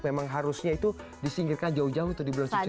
memang harusnya itu disingkirkan jauh jauh tuh di bulan suci